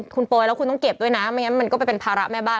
คุณโปรยแล้วคุณต้องเก็บด้วยนะไม่งั้นมันก็ไปเป็นภาระแม่บ้าน